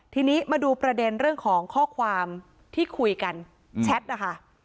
ทีนี้มาดูประเด็นเรื่องของข้อความที่คุยกันแชทนะคะ